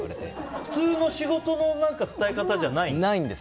普通の仕事の伝え方じゃないんだ。